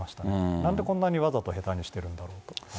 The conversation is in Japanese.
なんでこんなにわざと下手にしてるんだろうと。